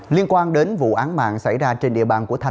liên quan đến vụ án mạng xảy ra trên địa bàn của thái lan